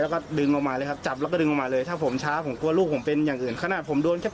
ก็แสฟ้ามันมาเหมือนกัน